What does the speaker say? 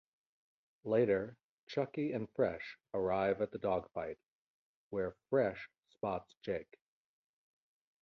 Later, Chuckie and Fresh arrive at the dogfight, where Fresh spots Jake.